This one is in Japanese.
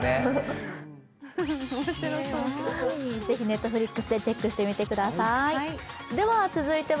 ぜひＮｅｔｆｌｉｘでチェックしてみてください。